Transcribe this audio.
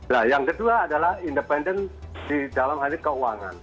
nah yang kedua adalah independen di dalam halit keuangan